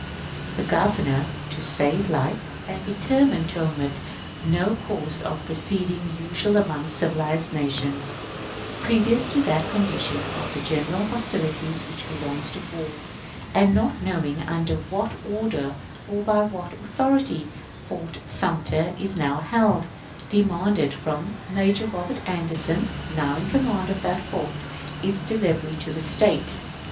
The Governor, to save life, and determined to omit no course of proceeding usual among civilized nations, previous to that condition of general hostilities which belongs to war, and not knowing under what order, or by what authority, Fort Sumter is now held, demanded from Major Robert Anderson, now in command of that fort, its delivery to the State.